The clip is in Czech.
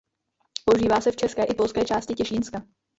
Používá se v české i polské části Těšínska.